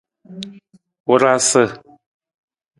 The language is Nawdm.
Wurasa.